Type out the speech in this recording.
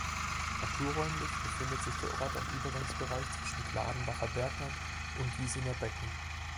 Naturräumlich befindet sich der Ort am Übergangsbereich zwischen Gladenbacher Bergland und Gießener Becken.